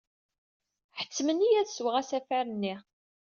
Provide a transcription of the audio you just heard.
Ḥettmen-iyi ad sweɣ asafar-nni.